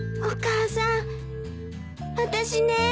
お母さん私ね。